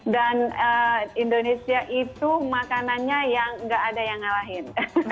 dan indonesia itu makanannya yang gak ada yang ngalahin